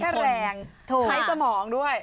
คือไม่ได้ใช้แค่แรงใช้สมองด้วย